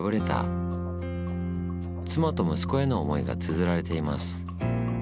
妻と息子への思いがつづられています。